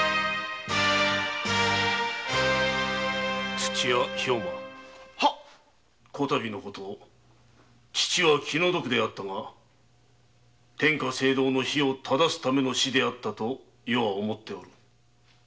土屋兵馬こ度の事父は気の毒であったが天下政道の非を正すための死であったと余は思っておる。